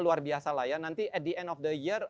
luar biasa lah ya nanti di akhir tahun